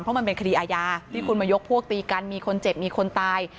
เพราะมันเป็นคดีอาญาที่คุณมายกพวกตีกันมีคนเจ็บมีคนตาย